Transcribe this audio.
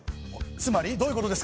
つまりどういうことですか？